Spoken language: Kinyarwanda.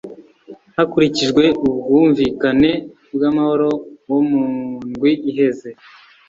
Hakurikijwe ubwumvikane bw'amahoro wo mu ndwi iheze